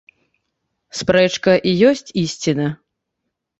Спрэчка і ёсць ісціна.